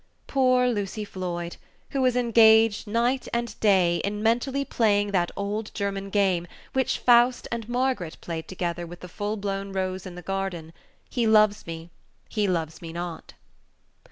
Poor Lucy Floyd, who was engaged, night and day, in mentally playing that old German game which Faust and Margaret played together with the full blown rose in the garden "He loves me loves me not!"